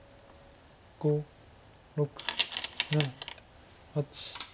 ５６７８。